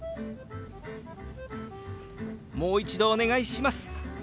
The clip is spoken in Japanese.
「もう一度お願いします」。